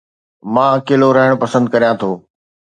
مان اڪيلو رهڻ پسند ڪريان ٿو